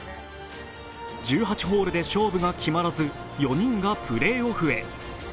１８ホールで勝負が決まらず４人がプレーオフへ。